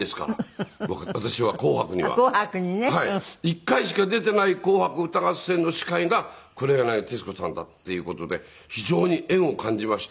一回しか出ていない『紅白歌合戦』の司会が黒柳徹子さんだっていう事で非常に縁を感じまして。